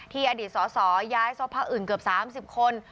ที่อดีตสอสอย้ายสภาอื่นเกือบ๓๐คน